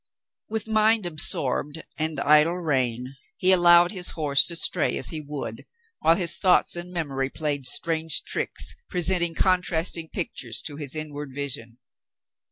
With mind absorbed and idle rein, he allowed his horse to stray as he would, while his thoughts and memory played strange tricks, presenting contrasting pictures to his inward vision.